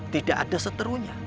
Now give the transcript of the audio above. tidak ada seterunya